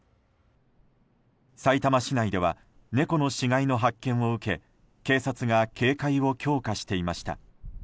さいたま市内では猫の死骸の発見を受け警察が警戒を強化していました。